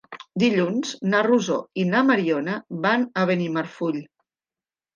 Dilluns na Rosó i na Mariona van a Benimarfull.